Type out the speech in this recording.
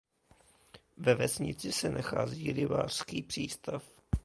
Ve vesnici se nachází rybářský přístav.